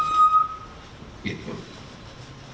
itu bisa biasa biasa